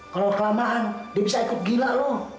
kalo kelamaan dia bisa ikut gila lo